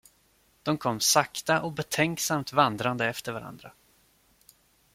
De kom sakta och betänksamt vandrande efter varandra.